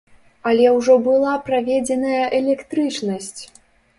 Але ўжо была праведзеная электрычнасць!